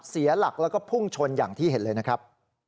เสียหลักแล้วก็พุ่งชนอย่างที่เห็นเลยนะครับ